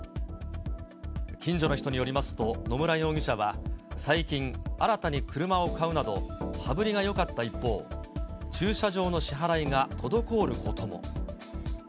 近所の人によりますと、野村容疑者は最近、新たに車を買うなど、羽振りがよかった一方、駐車場の支払いが滞ることも。